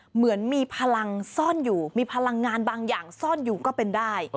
เหมือนมีพลังซ่อนอยู่มีพลังงานบางอย่างซ่อนอยู่ก็เป็นได้